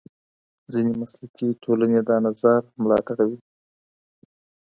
ځینې مسلکي ټولنې دا نظر ملاتړوي.